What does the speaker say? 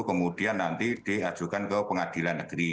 kemudian nanti diajukan ke pengadilan negeri